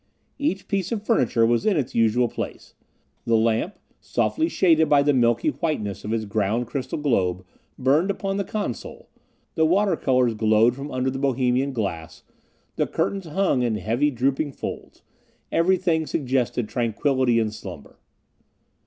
Each piece of furniture was in its usual place; the lamp, softly shaded by the milky whiteness of its ground crystal globe, burned upon the console, the water colors glowed from under the Bohemian glass; the curtains hung in heavy drooping folds; everything suggested tranquility and slumber.